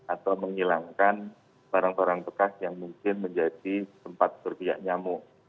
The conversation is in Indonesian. atau menghilangkan barang barang bekas yang mungkin menjadi tempat berbiak nyamuk